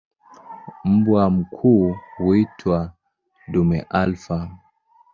Mbwa mkuu huitwa "dume alfa".